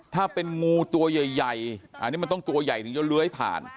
ถ้าเป็นงูตัวใหญ่อันนี้มันต้องตัวใหญ่ถึงจะเลื้อยผ่าน